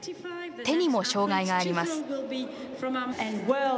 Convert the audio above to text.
手にも障がいがあります。